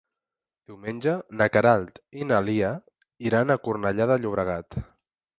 Diumenge na Queralt i na Lia iran a Cornellà de Llobregat.